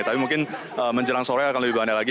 tapi mungkin menjelang sore akan lebih banyak lagi